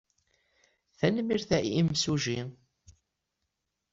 Tanemmirt a imsujji.